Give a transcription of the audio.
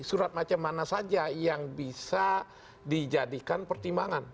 surat macam mana saja yang bisa dijadikan pertimbangan